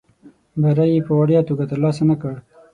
بری یې په وړیا توګه ترلاسه نه کړ.